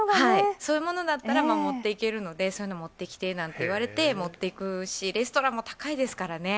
そういうものだったら、持っていけるので、そういうのを持ってきてなんて言われて、持っていくし、レストランも高いですからね。